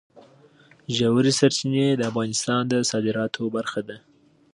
ژورې سرچینې د افغانستان د صادراتو برخه ده.